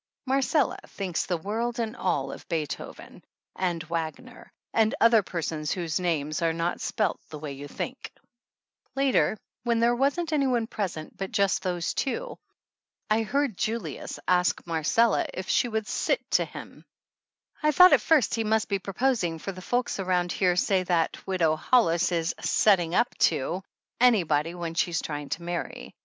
Marcella thinks the world and all of Bee thoven and Wagner and other persons whose names are not spelt the way you would think. 108 ; For the sake of Julius Page 10$ THE ANNALS OF ANN Later, when there wasn't anybody present but just those two, I heard Julius ask Marcella if she would "sit" to him. I thought at first he must be proposing, for the folks around here say that Widow Hollis is "setting up to" any body when she's trying to marry.